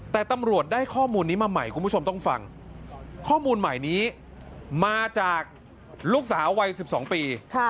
แต่ตำรวจได้ข้อมูลนี้มาใหม่คุณผู้ชมต้องฟังข้อมูลใหม่นี้มาจากลูกสาววัย๑๒ปี